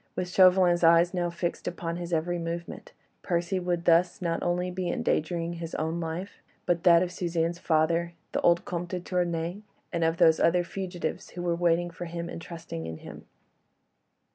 With Chauvelin's eyes now fixed upon his every movement, Percy would thus not only be endangering his own life, but that of Suzanne's father, the old Comte de Tournay, and of those other fugitives who were waiting for him and trusting in him.